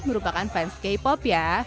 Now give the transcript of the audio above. merupakan fans k pop ya